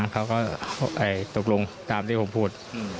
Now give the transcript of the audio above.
เขาก็ตกลงตามที่ผมพูด